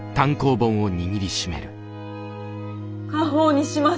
家宝にします！